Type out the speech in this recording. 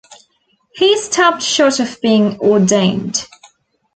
He stopped short of being ordained.